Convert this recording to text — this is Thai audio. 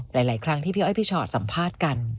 หลายครั้งที่พี่อ้อยพี่ชอตสัมภาษณ์กัน